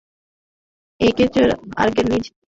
এই কোচ এর আগেও নিজ দলের খেলোয়াড়দের সঙ্গে বিবাদে জড়িয়েছেন।